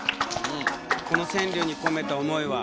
この川柳に込めた思いは？